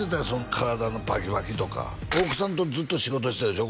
体のバキバキとか大九さんとずっと仕事してたでしょ？